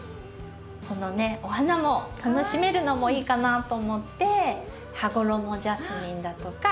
このねお花も楽しめるのもいいかなと思ってハゴロモジャスミンだとか。